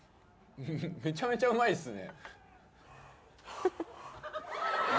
めちゃめちゃうまいっすね。